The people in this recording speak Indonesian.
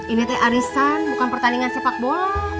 ini arisan bukan pertandingan sepak bola